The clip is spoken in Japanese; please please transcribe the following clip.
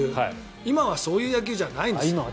今はそういう野球じゃないんです。